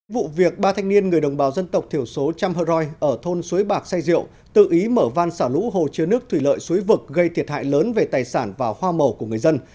vụ việc ba thanh niên người đồng bào dân tộc thiểu số trăm hờ roi ở thôn suối bạc say rượu tự ý mở van xả lũ hồ chứa nước thủy lợi suối vực gây thiệt hại lớn về tài sản và hoa màu của người dân